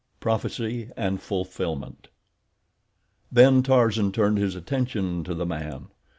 Prophecy and Fulfillment Then Tarzan turned his attention to the man.